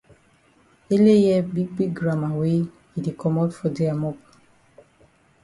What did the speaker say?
Ele hear big big gramma wey e di komot for dia mop.